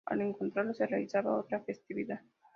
Al encontrarlo, se realizaba otra festividad.